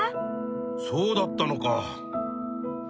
そうだったのか。